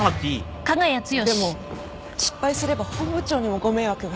でも失敗すれば本部長にもご迷惑が。